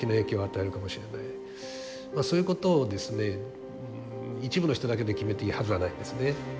そういうことを一部の人だけで決めていいはずはないですね。